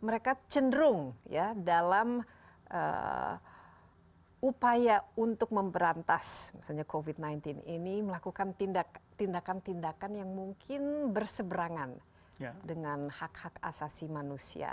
mereka cenderung ya dalam upaya untuk memberantas misalnya covid sembilan belas ini melakukan tindakan tindakan yang mungkin berseberangan dengan hak hak asasi manusia